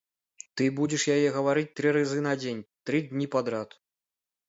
Ты будзеш яе гаварыць тры разы на дзень тры дні падрад.